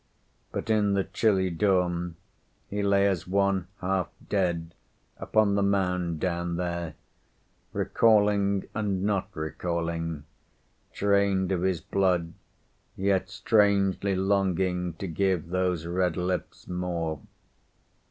But in the chilly dawn he lay as one half dead upon the mound down there, recalling and not recalling, drained of his blood, yet strangely longing to give those red lips more.